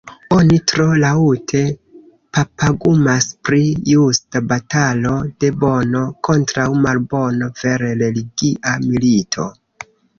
Oni tro laŭte papagumas pri justa batalo de Bono kontraŭ Malbono, vere religia milito.